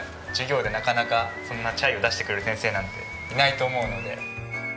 授業でなかなかそんなチャイを出してくれる先生なんていないと思うので。